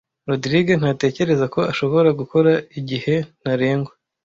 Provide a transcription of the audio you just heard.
Rogride ntatekereza ko ashobora gukora igihe ntarengwa.